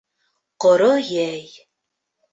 Ҡоро йәй